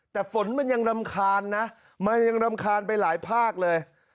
แต่ฝนมันยังรำคาญรำคาญไปหลายภาพเลย